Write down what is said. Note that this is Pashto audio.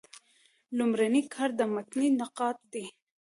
لومړنی کار د متني نقاد دﺉ.